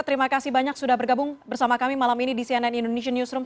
terima kasih banyak sudah bergabung bersama kami malam ini di cnn indonesian newsroom